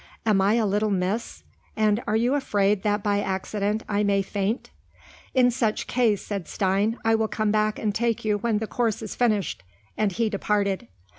"Am I a little miss? and are you afraid that by accident I may faint?" "In such case," said Stein, "I will come back and take you when the course is finished." And he departed.